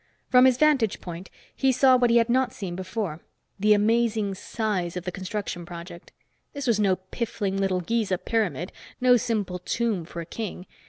From his vantage point he saw what he had not seen before the amazing size of the construction project. This was no piffling little Gizeh pyramid, no simple tomb for a king.